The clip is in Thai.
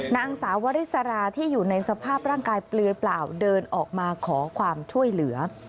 นางสาววริสราที่อยู่ในสภาพร่างกายเปลือยเปล่าเดินออกมาขอความช่วยเหลือ